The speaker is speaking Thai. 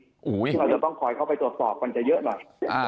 ซึ่งเราจะต้องคอยเข้าไปตรวจสอบก่อนจะเยอะหน่อย